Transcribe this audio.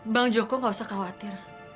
bang joko gak usah khawatir